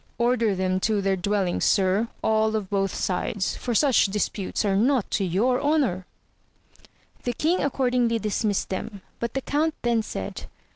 Order them to their dwellings sir, all of both sides, for such disputes are not to your honour. The king accordingly dismissed them, but the count then said.